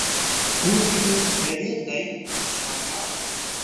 کور کې مو خیریت دی، ان شاءالله